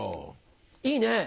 いいね。